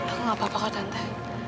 aku gak apa apa kak tante